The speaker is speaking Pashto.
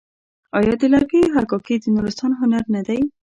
آیا د لرګیو حکاکي د نورستان هنر نه دی؟